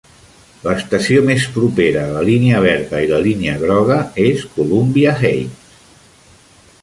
L"estació més propera a la línia verda i la línia groga és Columbia Heights.